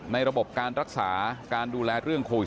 ระบบการรักษาการดูแลเรื่องโควิด